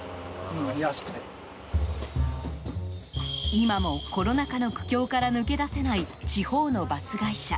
今もコロナ禍の苦境から抜け出せない地方のバス会社。